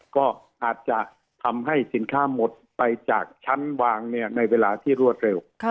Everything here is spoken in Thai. ก็อาจจะทำให้สินค้าหมดไปจากชั้นวางในเวลาที่รวดเร็ว